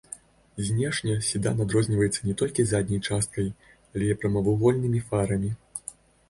Знешне седан адрозніваўся не толькі задняй часткай, але і прамавугольнымі фарамі.